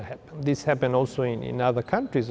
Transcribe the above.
chúng tôi không được thông tin